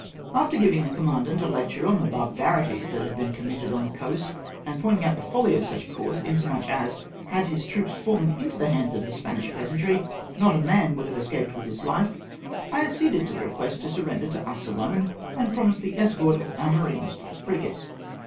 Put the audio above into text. After giving the commandant a lecture on the bar barities that had been committed on the coast, and pointmg out the folly of such a course, inasmuch as, had his troops fallen into the hands of the Spanish peasantry, not a man would have escaped with life, I acceded to the request to surrender to us alone, and promised the escort of our marines to the frigate.